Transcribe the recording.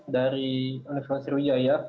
dari universitas sriwijaya